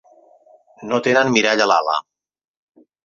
No tenen mirall a l'ala.